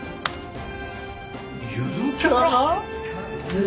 ゆるキャラ！？